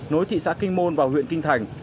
nối thị xã kinh môn vào huyện kinh thành